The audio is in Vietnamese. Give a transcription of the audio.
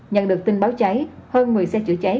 nhận được tin báo cháy hơn một mươi xe chữa cháy